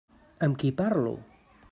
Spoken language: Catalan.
Amb qui parlo?